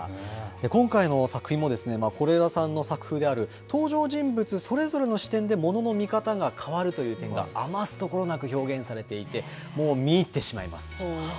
今回の作品も是枝さんの作風である登場人物それぞれの視点でものの見方が変わるという点が余すところなく表現されていて、もう見入ってしまいます。